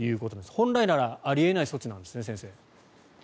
本来ならあり得ない措置なんですね先生。